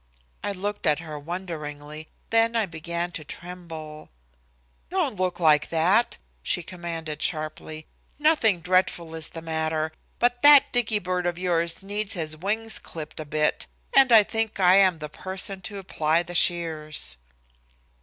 I looked at her wonderingly, then I began to tremble. "Don't look like that," she commanded sharply. "Nothing dreadful is the matter, but that Dicky bird of yours needs his wings clipped a bit, and I think I am the person to apply the shears."